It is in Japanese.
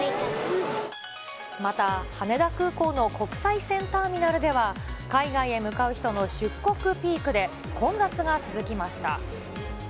また、羽田空港の国際線ターミナルでは、海外へ向かう人の出国ピークで、混雑が続きました。